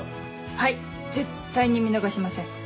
はい絶対に見逃しません。